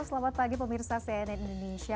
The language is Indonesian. selamat pagi pemirsa cnn indonesia